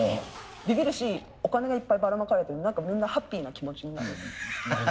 ビビるしお金がいっぱいばらまかれて何かみんなハッピーな気持ちになる。